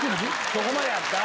そこまでやった？